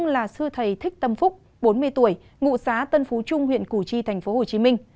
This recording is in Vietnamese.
là sư thầy thích tâm phúc bốn mươi tuổi ngụ xã tân phú trung huyện củ chi tp hcm